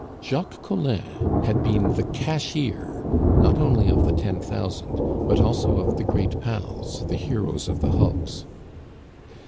Jacques Collin had been the cashier, not only of the "Ten thousand," but also of the "Great Pals," the heroes of the hulks.